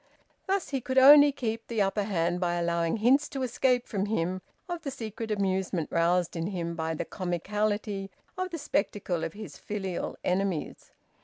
Thus he could only keep the upper hand by allowing hints to escape from him of the secret amusement roused in him by the comicality of the spectacle of his filial enemies.